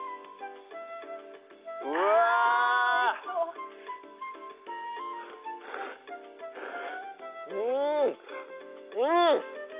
うわぁうわぁおいしそううん！うん！